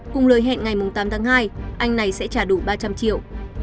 cùng lời hẹn ngày tám tháng hai anh này sẽ trả đủ ba trăm linh triệu